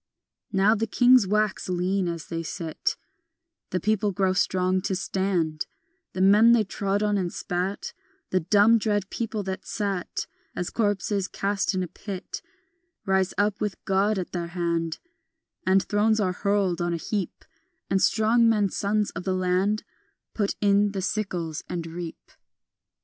Now the kings wax lean as they sit, The people grow strong to stand; The men they trod on and spat, The dumb dread people that sat As corpses cast in a pit, Rise up with God at their hand, And thrones are hurled on a heap, And strong men, sons of the land, Put in the sickles and reap.